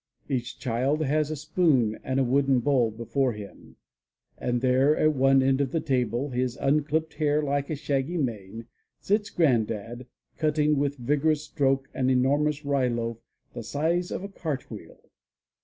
Each child has a spoon and a wooden bowl before him, and there at one end of the table, his undipped hair like a shaggy mane, sits Grandad, cutting with vigorous stroke an enormous rye loaf the size of a cart wheel.